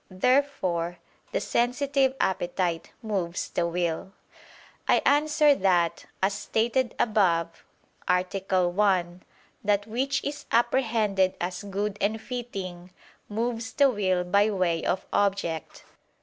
Therefore the sensitive appetite moves the will. I answer that, As stated above (A. 1), that which is apprehended as good and fitting, moves the will by way of object.